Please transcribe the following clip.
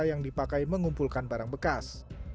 yang dipakai mengumpulkan barang bekas